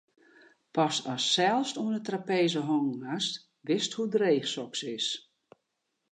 Pas ast sels oan 'e trapeze hongen hast, witst hoe dreech soks is.